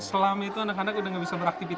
selama itu anak anak udah gak bisa beraktifitas